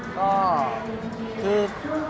ก็คือ